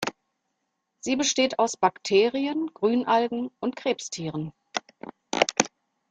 Sie besteht aus Bakterien, Grünalgen und Krebstieren.